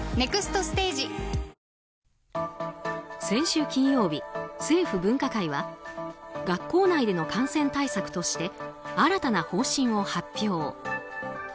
先週金曜日、政府分科会は学校内での感染対策として新たな方針を発表。